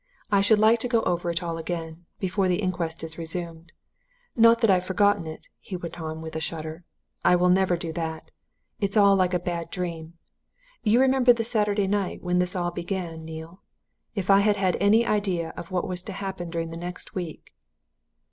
I should like to go over it all again before the inquest is resumed. Not that I've forgotten it," he went on, with a shudder. "I will never do that! It's all like a bad dream. You remember the Saturday night when all this began, Neale? If I had had any idea of what was to happen during the next week